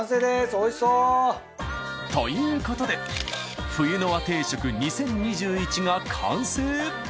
おいしそう！ということで冬の和定食２０２１が完成。